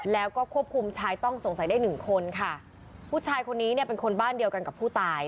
แล้วก็ควบคุมชายต้องสงสัยได้หนึ่งคนค่ะผู้ชายคนนี้เนี่ยเป็นคนบ้านเดียวกันกับผู้ตาย